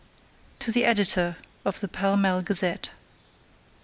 To the Editor of the Pall Mall Gazette.